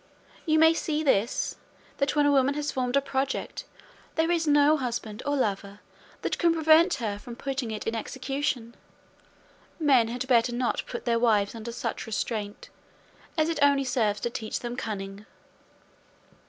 You may see by this, that when a woman has formed a project, there is no husband or lover that can prevent her from putting it in execution. Men had better not put their wives under such restraint, as it only serves to teach them cunning."